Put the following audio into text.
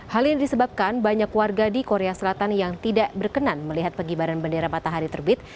hal ini disebabkan banyak warga di korea selatan yang tidak berkenan melihat pengibaran bendera matahari terbit